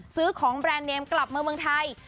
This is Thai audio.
ซื้อของแบรนด์เนมกลับมาเมืองไทย